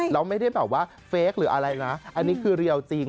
เราไม่ได้แบบว่าเฟคหรืออะไรนะอันนี้คือเรียวจริง